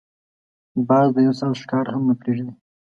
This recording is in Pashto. باز د یو ساعت ښکار هم نه پریږدي